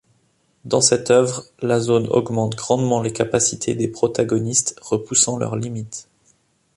Dans cette œuvre, la zone augmente grandement les capacités des protagonistes repoussant leurs limites.